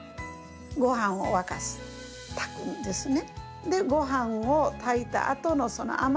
ごはんを沸かす炊くんですね。